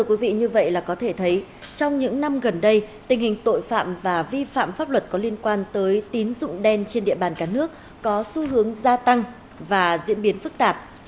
quý vị như vậy là có thể thấy trong những năm gần đây tình hình tội phạm và vi phạm pháp luật có liên quan tới tín dụng đen trên địa bàn cả nước có xu hướng gia tăng và diễn biến phức tạp